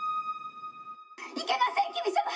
「いけません黍様！」。